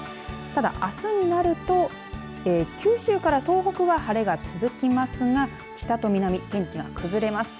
ただ、あすになると九州から東北は晴れが続きますが北と南、天気が崩れます。